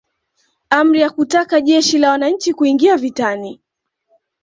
Amri ya kutaka Jeshi la Wananchi kuingia vitani